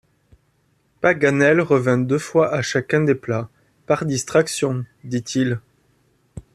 Paganel revint deux fois à chacun des plats, « par distraction, » dit-il.